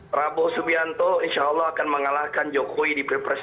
prabowo subianto insya allah akan mengalahkan jokowi di ppres dua ribu sembilan belas